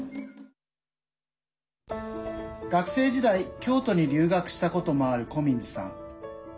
学生時代、京都に留学したこともあるコミンズさん。